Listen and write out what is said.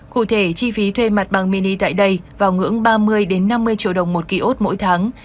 cụ thể chi phí thuê mặt bằng mini tại đây vào ngưỡng ba mươi năm mươi triệu đồng một ký ốt mỗi tháng